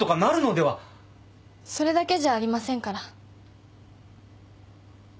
それだけじゃありませんから。